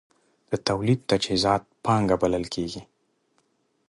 د تولید تجهیزات پانګه بلل کېږي.